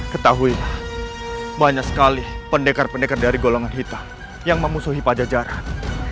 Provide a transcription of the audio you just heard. ketahui banyak sekali pendekar pendekar dari golongan hitam yang memusuhi pajajaran